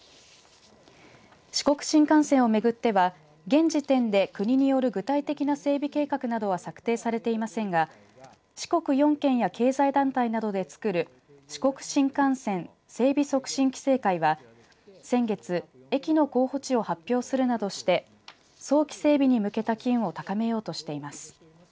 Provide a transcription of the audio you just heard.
四国新幹線を巡っては現時点で国による具体的な整備計画などは策定されていませんが四国４県や経済団体などで作る四国新幹線整備促進期成会は先月、駅の候補地を発表するなどして早期整備に向けた機運を高めようとしています。